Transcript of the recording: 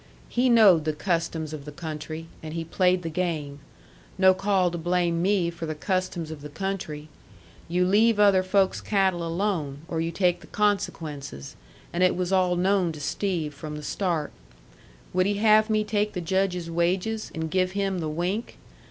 He knowed the customs of the country, and he played the game. No call to blame me for the customs of the country. You leave other folks' cattle alone, or you take the consequences, and it was all known to Steve from the start. Would he have me take the Judge's wages and give him the wink?